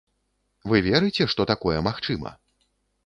Вы верыце, што такое магчыма?